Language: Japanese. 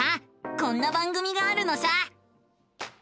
こんな番組があるのさ！